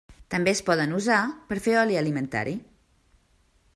També es poden usar per a fer oli alimentari.